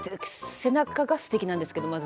背中がすてきなんですけどまず。